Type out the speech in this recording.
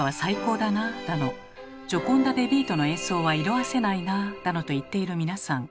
だの「ジョコンダ・デ・ヴィートの演奏は色あせないな」だのと言っている皆さん。